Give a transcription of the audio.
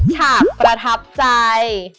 ฉากประทับใจ